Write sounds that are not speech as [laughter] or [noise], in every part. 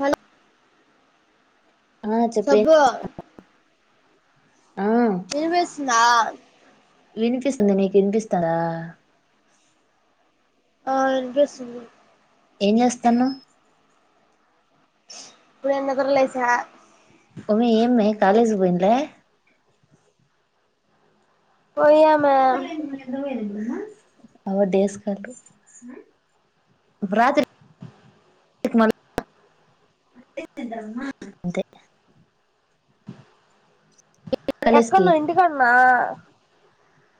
hello ఆ చెప్పే సుబ్బు ఆ వినిపిస్తుందా వినిపిస్తుంది నీకు వినిపిస్తుందా ఆ వినిపిస్తుంది ఏం చేస్తాన్నవ్ ఇప్పుడే నిద్ర లేసా ఏమె కాలేజ్కి పోయిలే పోయమా అ డేస్ కాలు మంత కాలేజ్కి ఎక్కన్నా ఇంటికన్నా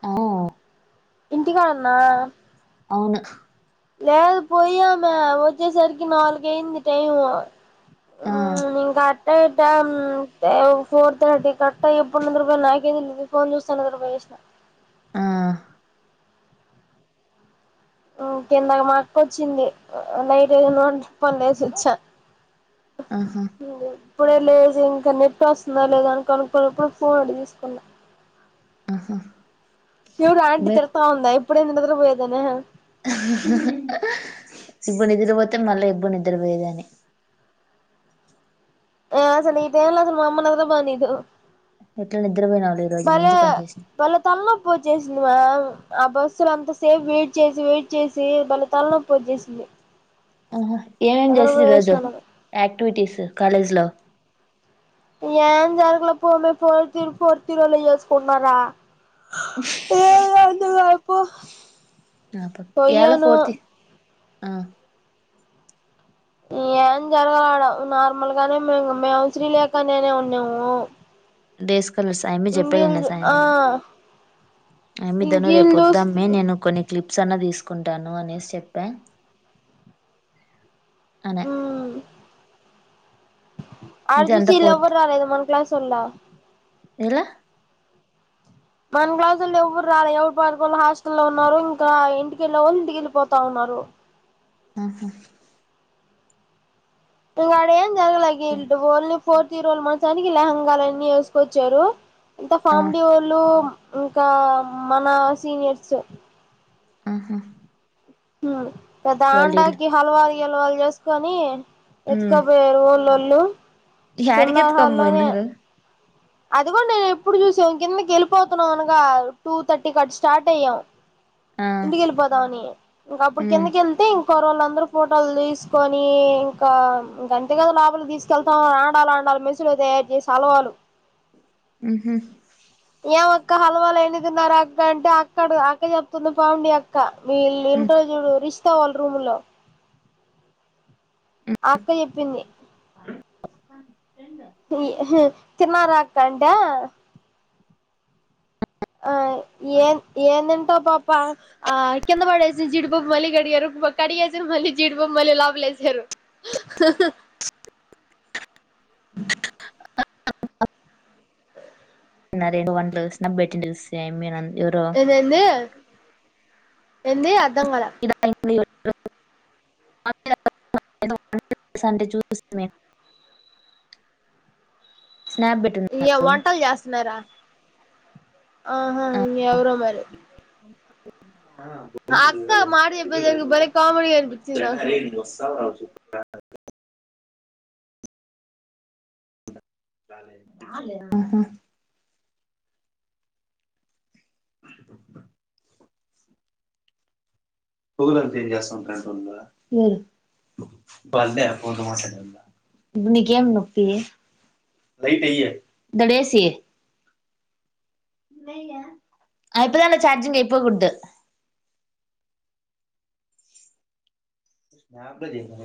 ఆ ఇంటికాలన్నా అవును లేదు పోయ్యమ వచ్చే సరికి నాలుగు అయింది టైము ఆ మ్మ్ ఇంకా టై ఫోర్ థర్టీ కట్ట ఎప్పుడు నిద్రపోయానో నాకేది తేలిదు ఫోన్ చూస్తాను రూపా స ఆ కిందక మా అక్క వచ్చింది నైట్ ఏ న పన్ డేసి వచ్చా ఆహా మ్మ్ ఇప్పుడే లేదు ఇంకా నెట్ వస్తుందా లేదా అనినుకున్నప్పుడు ఫోన్ అడి తీసుకున్నా ఆహా పూరు ఆంటీ మే తిడతా ఉందా ఇప్పుడే నిద్ర పోయేది అనే ఇబ్బడు నిద్రపోతే మళ్ళా ఇబ్బ నిద్రపోయేదని ఏ అసలు ఈ టైంలో అసలు మా అమ్మ నిద్ర పోనియదు ఎట్లా నిద్రపోయినావులే ఈ రోజు భలే మంచి పని చేసినవ్ భలే తల నొప్పి వచ్ ఆ బస్సులు అంతా సేపూ వెయిట్ చేసి వెయిట్ చేసి భలే తలనొప్పి వచ్చేసింది ఆహా ఏమేం చేసింది రోజు నిద్రపోయేసినాను యాక్టివిటీస్ కాలేజ్ లో ఏమ్ జారుగాలే పోమే పో తరు ఫోర్ ఇయర్ వాళ్లే చేసుకున్నారా పో యాల పోయాను ఫోర్త్ ఇయర్ ఏం జరగల అడ నార్మల్గానే మేము మేము శ్రీలేక నేనే ఉన్నాము అలు సాయం ఆమీ చెప్పలే ఇంగీళ్ళు సా ఆ నేను ఏమిదను ఇంగీళ్ళు చూస్ రేపుద్దామ్మే నేను కొన్ని క్లిప్స్ అన్నా తీసుకు కుంటాను అనేసి చెప్పా అనే అడ ఇది చూసి అంత యిల్లు ఫోర్త్ ఎవ్వరు రాలేదు మన క్లాస్ల్లా ఎలా మన క్లాసుల్లో ఎవరు రాల ఎవరి పడుకొని హాస్టల్లో ఉన్నారు ఇంకా ఇంటికెళ్ళ వాళ్ళు ఇంటికెళ్ళిపోతా ఉన్నారు ఆహా ఇంగా అడ ఏన్ జారగలే ఇల్టు బోల్ని ఫోర్త్ ఈయారోళ్ళు మంచానికి లహెంగాలు అన్ని వేసుకొచ్చారు ఇంత ఆ ఫామిడి వాళ్ళు ఇంకా మన సీనియర్స్ ఆహా వాళ్ళీళ్ళు ధన్డోకి హల్వాలు గిల్వాలు చేసుకొని ఉమ్ ఎతుకపోయారు ఊళ్ళోళ్ళు యాడికి సెమినార్ ఎత్తుకొని హాల్లోనే పోయినారు అది కూడా నేను ఎప్పుడు చూసాంం కిందకి వెళ్ళిపోతున్నాం అనగా టూ థర్టీ క స్టార్ట్ అయ్యాం ఆ ఇంటికిళ్ళిపోదామని ఇంకా అప్పుడు ఉమ్ కిందకి వెళ్తే ఇంకా కొరు వాళ్ళందరుూ ఫోటోలు తీసుకొని ఇంకా ఇక అంతేగా లు తీసుకెళ్తాం ఆండాల ఆండాలా మెసులు తయారు చేసి అలవాలు హమ్ ఏం అక్క హలవాలు ఎన్ని తిన్నారు అక్క అంటే అక్కడ అక్క చెప్తుంది పావని అక్క విళ ఉమ్ ఉంటారు చూడు రిషతా వాళ్ళు రూమ్ల్లో ఆ అక్క చెప్పింది తిన్నరక్క అంటే ఆ ఏన్ తింటాం పాప ఆ కింద పడేసి జిడిపప్పు మలి గడియారు కడిగసారు మళ్ళీ జీడ్ బామ్ మళ్ళీ లోపలేసారు న్న రెండు వన్లు బెట్టి చూ మీంత [unintelligible] ఎ ఎంది ఎంది అర్థం గాలే అ అంటే చూపిస్తు ఇ పెట్టున్నారు వంటలు చేస్తున్నారా ఆహా ఇ ఎవరో మరి అదేడి అక్కా మాట చేప్పకు బలే కామెడి అనిపించింది నాకు స ఆహా ఉమ్ నీకేం నొప్పి దడేసి అయితే దాన్లో చార్జింగ్ అయిపోకూడదు నాకు చేయ్యాల